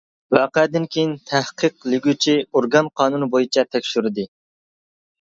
ۋەقەدىن كېيىن، تەھقىقلىگۈچى ئورگان قانۇن بويىچە تەكشۈردى.